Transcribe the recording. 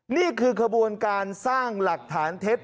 นี่คือขบวนการสร้างหลักฐานเท็จ